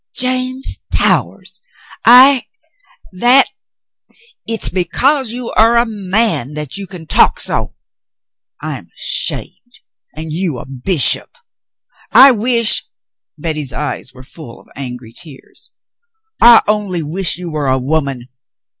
"James Towers! I — that — it's because you are a man that you can talk so ! I'm ashamed, and you a bishop ! I wish —" Betty's eyes were full of angry tears. *'I only wish you were a woman.